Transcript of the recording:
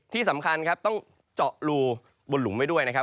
ที่สำคัญครับต้องเจาะรูบนหลุมไว้ด้วยนะครับ